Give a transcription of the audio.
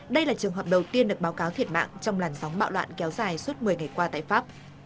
đây là trường hợp đầu tiên được báo cáo thiệt mạng trong làn sóng bạo loạn kéo dài suốt một mươi ngày qua tại pháp